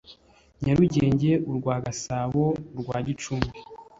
nyarugenge urwa gasabo n urwa gicumbi